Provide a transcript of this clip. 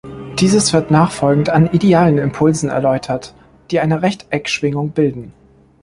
Dieses wird nachfolgend an idealen Impulsen erläutert, die eine Rechteckschwingung bilden.